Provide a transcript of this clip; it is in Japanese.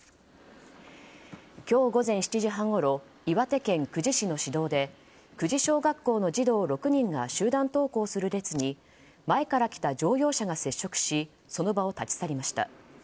今日午前７時半ごろ岩手県久慈市の市道で久慈小学校の児童６人が集団登校する列に前から来た乗用車が接触しその場を立ち去りました。